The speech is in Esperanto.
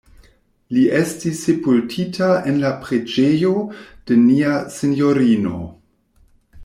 Li estis sepultita en la Preĝejo de Nia Sinjorino.